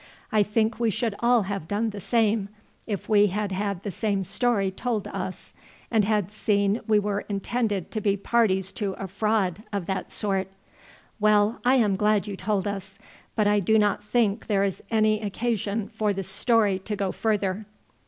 I think we should all have done the same if we had had the same story told to us, and had seen we were intended to be parties to a fraud of that sort. Well, I am glad you told us, but I do not think there is any occasion for the story to go further."